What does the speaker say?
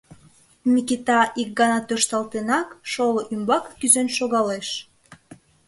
Микита, ик гана тӧршталтенак, шоло ӱмбаке кӱзен шогалеш.